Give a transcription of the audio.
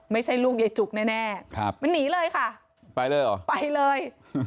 ไม่ใช่ลูกยายจุกแน่แน่ครับมันหนีเลยค่ะไปเลยเหรอไปเลย